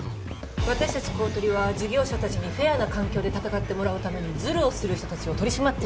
私たち公取は事業者たちにフェアな環境で戦ってもらうためにずるをする人たちを取り締まっているの。